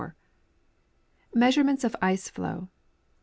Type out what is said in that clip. ^ Measurements of Ice fow.